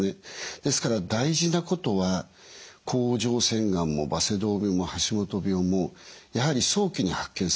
ですから大事なことは甲状腺がんもバセドウ病も橋本病もやはり早期に発見することです。